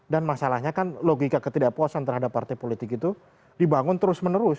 dan masalahnya kan logika ketidakpuasan terhadap partai politik itu dibangun terus menerus